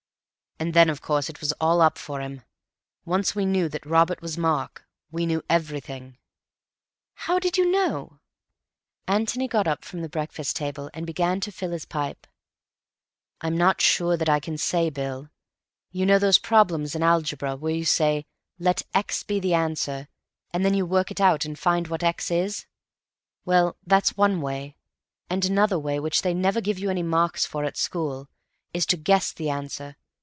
And then of course it was all up for him. Once we knew that Robert was Mark we knew everything." "How did you know?" Antony got up from the breakfast table and began to fill his pipe. "I'm not sure that I can say, Bill. You know those problems in Algebra where you say, 'Let x be the answer,' and then you work it out and find what x is. Well, that's one way; and another way, which they never give you any marks for at school, is to guess the answer.